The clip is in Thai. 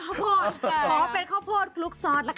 ข้าวโพดกลุ๊กซอส